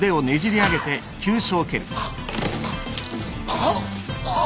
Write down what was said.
あっ。